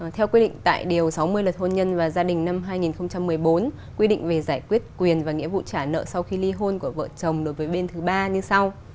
theo quy định tại điều sáu mươi luật hôn nhân và gia đình năm hai nghìn một mươi bốn quy định về giải quyết quyền và nghĩa vụ trả nợ sau khi ly hôn của vợ chồng đối với bên thứ ba như sau